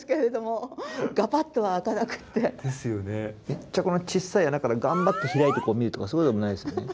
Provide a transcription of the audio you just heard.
めっちゃこのちっさい穴から頑張って開いてこう見るとかそういうのもないですよね？